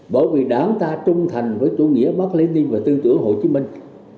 bởi vì đảng ta trung thành với tổ nghĩa mark lennon và tư tưởng hồ chí minh